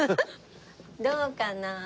どうかな？